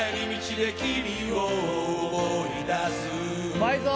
うまいぞ！